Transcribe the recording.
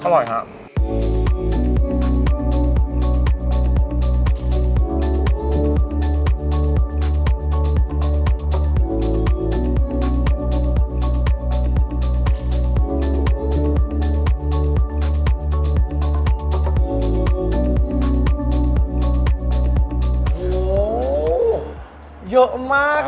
อร่อยครับ